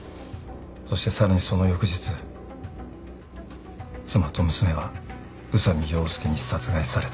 そしてさらにその翌日妻と娘は宇佐美洋介に殺害された。